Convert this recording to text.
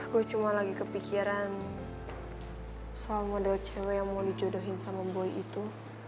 gue cuma lagi kepikiran soal model cewek yang mau dicodohin sama boy itu